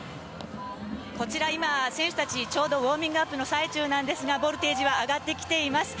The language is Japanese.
こちら今、選手たちちょうどウォーミングアップの最中ですがボルテージは上がってきています。